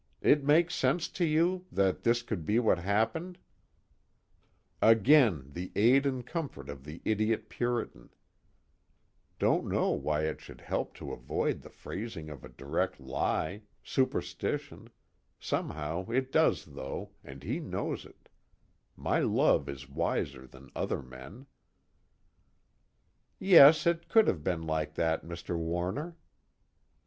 It makes sense to you, that this could be what happened?" _Again the aid and comfort to the idiot Puritan: don't know why it should help to avoid the phrasing of a direct lie superstition somehow it does though and he knows it my love is wiser than other men_ "Yes, it could have been like that, Mr. Warner."